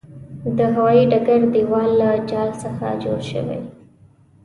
د هوايې ډګر دېوال له جال څخه جوړ شوی.